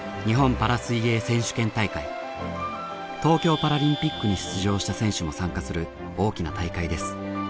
東京パラリンピックに出場した選手も参加する大きな大会です。